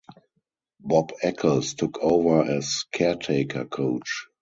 Bob Eccles took over as caretaker coach.